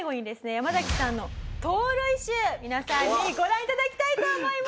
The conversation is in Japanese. ヤマザキさんの盗塁集皆さんにご覧頂きたいと思います。